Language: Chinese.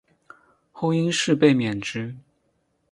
后因事被免职。